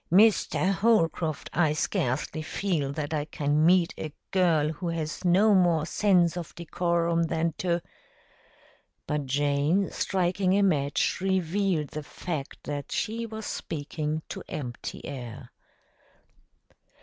"Mr. Holcroft, I scarcely feel that I can meet a girl who has no more sense of decorum than to " But Jane, striking a match, revealed the fact that she was speaking to empty air.